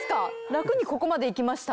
楽にここまでいきました